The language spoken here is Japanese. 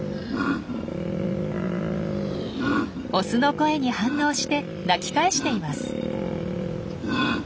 オスの声に反応して鳴き返しています。